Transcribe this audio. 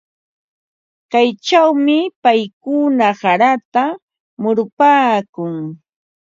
Kaychawmi paykuna harata murupaakun.